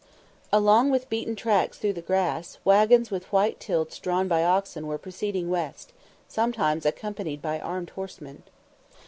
Along beaten tracks through the grass, waggons with white tilts drawn by oxen were proceeding west, sometimes accompanied by armed horsemen.